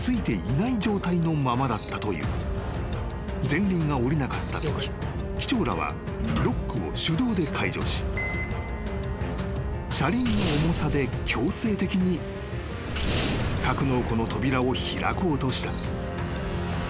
［前輪が下りなかったとき機長らはロックを手動で解除し車輪の重さで強制的に格納庫の扉を開こうとした］